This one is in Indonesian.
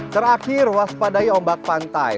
terakhir waspadai ombak pantai